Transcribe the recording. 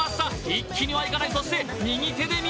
一気にはいかない、そして右手に水。